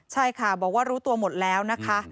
ใช่ค่ะบอกว่ารู้ตัวหมดแล้วนะคะ